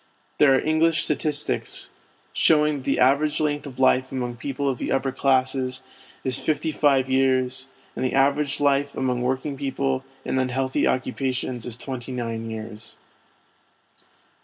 There are English statistics showing that the average length of life among people of the upper classes is fifty five years, and the average of life among working people in unhealthy occupations is twenty nine years.